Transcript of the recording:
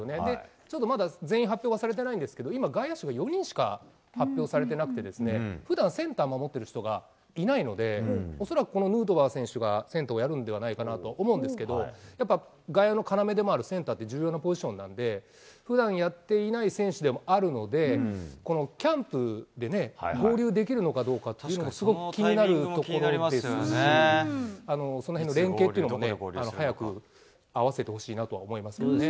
ちょっとまだ全員発表されていないんですけど、今、外野手が４人しか発表されていないので、恐らくこのヌートバー選手がセンターをやるんではないかなと思うんですけど、外野の要であるセンターって重要なポジションなので、ふだんやっていない選手でもあるので、このキャンプで合流できるのかどうかというのがすごい気になるところですし、そのへんの連係というのもね、早く合わせてほしいなとは思いますけどね。